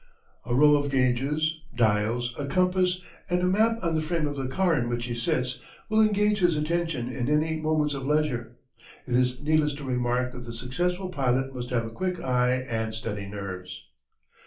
A row of gauges, dials, a compass, and a map on the frame of the car in which he sits will engage his attention in any moments of leisure. It is needless to remark that the successful pilot must have a quick eye and steady nerves.